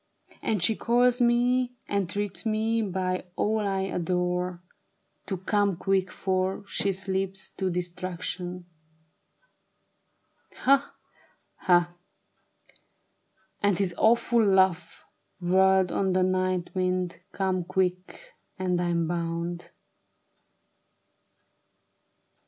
And she calls me, entreats me, by all I adore. To come quick, for she slips to destruction. Ha ! ha !" And his awful laugh whirled on the night wind ;" Come quick ! And I'm bound.